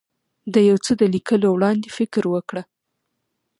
د یو څه د لیکلو وړاندې فکر وکړه.